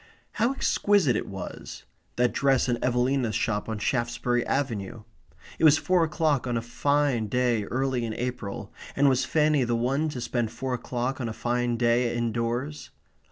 How exquisite it was that dress in Evelina's shop off Shaftesbury Avenue! It was four o'clock on a fine day early in April, and was Fanny the one to spend four o'clock on a fine day indoors?